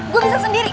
gue bisa sendiri